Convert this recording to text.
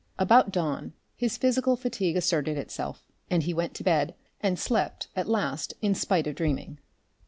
About dawn, his physical fatigue asserted itself, and he went to bed and slept at last in spite of dreaming.